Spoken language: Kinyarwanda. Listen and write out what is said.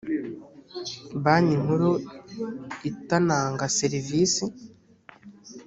banki nkuru itanaga serivisi.